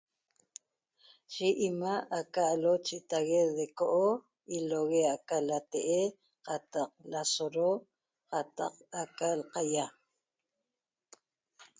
Yi 'ima' aca 'alo cheta'ague deco'o ilo'ogue aca late'e qataq lasodo qataq aca l'qaýa